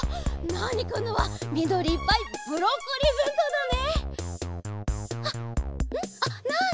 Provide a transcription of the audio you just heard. ナーニくんのはみどりいっぱいブロッコリーべんとうだね！